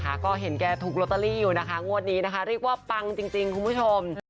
ก็เห็นแกถูกลอตเตอรี่อยู่นะคะงวดนี้นะคะเรียกว่าปังจริงคุณผู้ชม